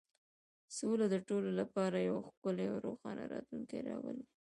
سوله د ټولو لپاره یو ښکلی او روښانه راتلونکی راوړي.